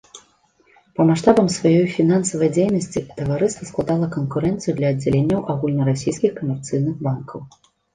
Па маштабам сваёй фінансавай дзейнасці таварыства складала канкурэнцыю для аддзяленняў агульнарасійскіх камерцыйных банкаў.